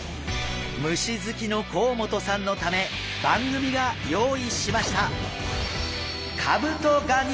虫好きの甲本さんのため番組が用意しました。